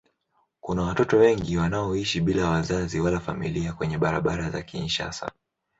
Kuna watoto wengi wanaoishi bila wazazi wala familia kwenye barabara za Kinshasa.